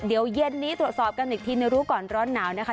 เดี๋ยวเย็นนี้ตรวจสอบกันอีกทีในรู้ก่อนร้อนหนาวนะคะ